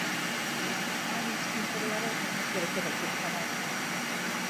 毎日筋トレやろうと思ってるけど続かない